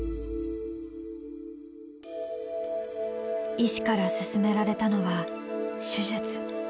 医師から勧められたのは手術。